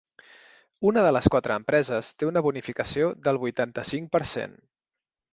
Una de les quatre empreses té una bonificació del vuitanta-cinc per cent.